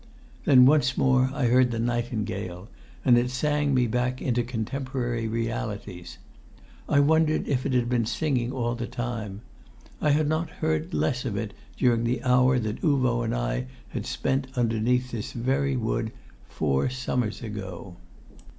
Then once more I heard the nightingale, and it sang me back into contemporary realities. I wondered if it had been singing all the time. I had not heard less of it during the hour that Uvo and I had spent underneath this very wood, four summers ago!